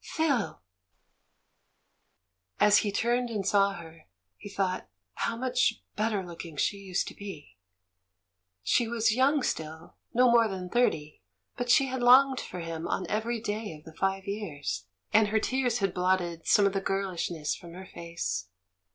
"Phil!" As he turned and saw her, he thought how much better looking she used to be. She was young still, no more than thirty, but she had DEAD VIOLETS 241 longed for him on every day of the five years, and her tears had blotted some of the girhshness from her face.